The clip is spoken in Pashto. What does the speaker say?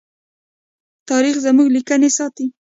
تاریخ زموږ لیکنې ساتي.